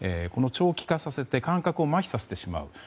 長期化させて感覚をまひさせてしまう。